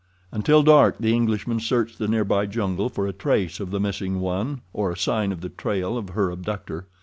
Until dark the Englishman searched the nearby jungle for a trace of the missing one or a sign of the trail of her abductor.